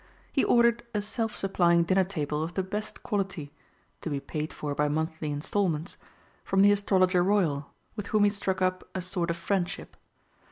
He ordered a self supplying dinner table of the best quality to be paid for by monthly instalments from the Astrologer Royal, with whom he struck up a sort of friendship.